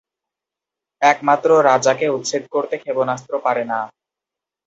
একমাত্র রাজাকে উচ্ছেদ করতে ক্ষেপণাস্ত্র পারে না।